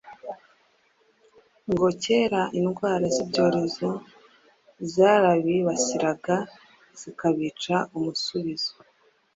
Ngo kera indwara z’ibyorezo zarabibasiraga zikabica umusubizo.